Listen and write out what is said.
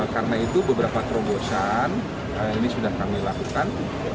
karena itu beberapa terobosan ini sudah kami lakukan